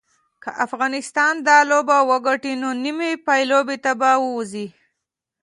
که افغانستان دا لوبه وګټي نو نیمې پایلوبې ته به ووځي